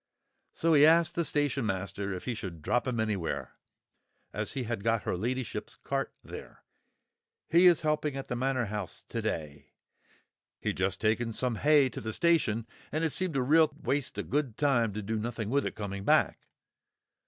"so he asked the station master if he should drop 'em anywhere, as he had got her ladyship's cart there. He is helping at the Manor House to day. He'd just taken some hay to the station, and it seemed a real waste o' good time to do nothing with it coming back.